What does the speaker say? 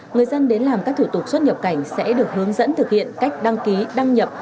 người dân đến làm các thủ tục xuất nhập cảnh sẽ được hướng dẫn thực hiện cách đăng ký đăng nhập